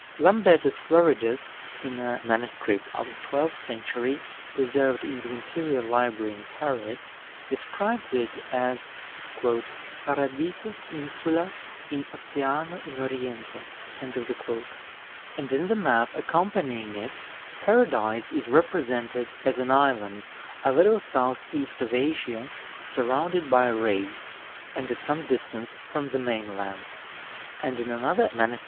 Lambertus Floridus, in a MS. of the twelfth century, preserved in the Imperial Library in Paris, describes it as "Paradisus insula in oceano in oriente:" and in the map accompanying it, Paradise is represented as an island, a little south east of Asia, surrounded by rays, and at some distance from the main land; and in another MS.